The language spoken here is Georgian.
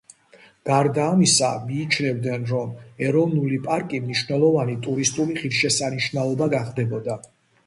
გარდა ამისა, მიიჩნევდნენ, რომ ეროვნული პარკი მნიშვნელოვანი ტურისტული ღირსშესანიშნაობა გახდებოდა.